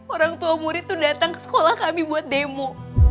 orang tua murid tuh datang ke sekolah kami buat demo